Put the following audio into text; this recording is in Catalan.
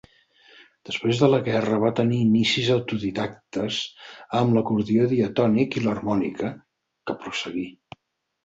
Després de la guerra va tenir inicis autodidactes amb l'acordió diatònic i l'harmònica, que prosseguí.